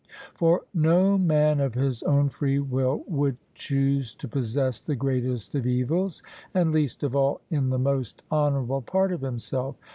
For no man of his own free will would choose to possess the greatest of evils, and least of all in the most honourable part of himself.